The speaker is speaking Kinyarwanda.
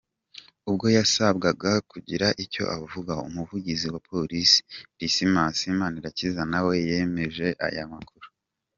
Ubwo yasabwaga kugira icyo avuga, umuvugizi wa polisi, Dismas Manirakiza nawe yemeje aya makuru.